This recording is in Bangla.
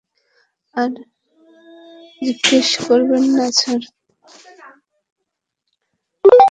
আর জিজ্ঞেস করবে না, স্যার?